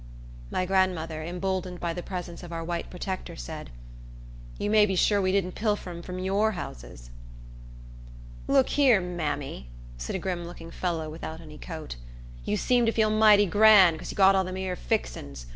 My grandmother, emboldened by the presence of our white protector said, "You may be sure we didn't pilfer 'em from your houses." "Look here, mammy," said a grim looking fellow without any coat, "you seem to feel mighty gran' 'cause you got all them 'ere fixens.